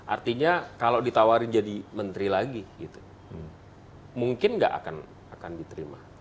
artinya kalau ditawari jadi menteri lagi mungkin tidak akan diterima